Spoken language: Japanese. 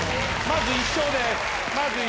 まず１勝です。